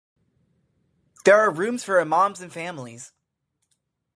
There are rooms for imams and families.